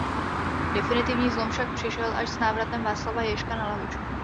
Definitivní zlom však přišel až s návratem Václava Ježka na lavičku.